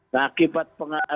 nah akibat pengalaman